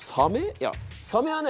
いやサメはね